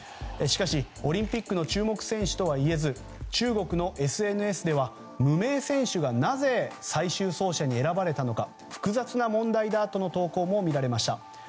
しかし、オリンピックの注目選手とはいえず中国のＳＮＳでは無名選手がなぜ最終走者に選ばれたのか複雑な問題だとの投稿も見られました。